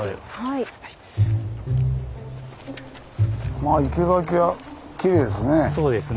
まあ生け垣がきれいですね。